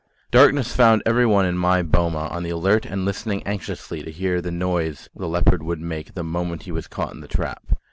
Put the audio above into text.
Darkness found everyone in my boma on the alert and listening anxiously to hear the noise the leopard would make the moment he was caught in the trap.